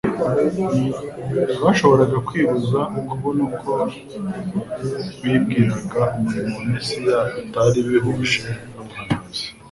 Ntibashoboraga kwibuza kubona ko uko bibwiraga umurimo wa Mesiya bitari bihuje n'ubuhanuzi;